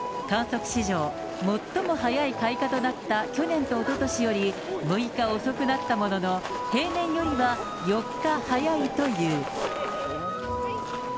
観測史上最も早い開花となった去年とおととしより６日遅くなったものの、平年よりは４日早いという。